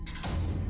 tuh tuh tuh